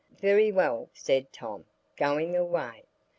"Very well," said Tom, going away.